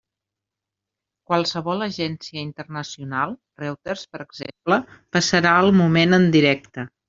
Qualsevol agència internacional, Reuters, per exemple, passarà el moment en directe.